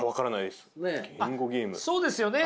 そうですよね。